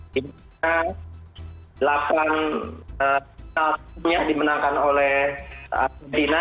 pertandingan ke delapan dimenangkan oleh argentina